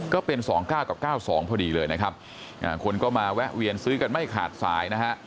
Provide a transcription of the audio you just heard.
ก็เป็น๒๙กับ๙๒พอดีเลยนะครับคนก็มาแวะเวียนซื้อกันไม่ขาดสายนะฮะ